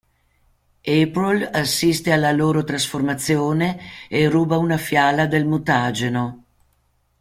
April assiste alla loro trasformazione e ruba una fiala del mutageno.